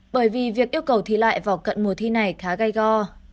bởi vì việc yêu cầu thi lại vào cận mùa thi này khá gai go